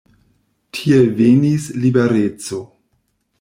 Tiel venis libereco.